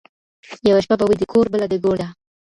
یوه شپه به وي د کور بله د ګور ده